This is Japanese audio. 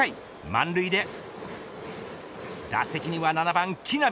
満塁で打席には７番、木浪。